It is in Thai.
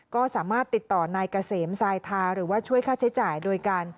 ก็สามารถติดต่อนายเกษมทรายทาหรือว่าช่วยค่าใช้จ่ายโดยการ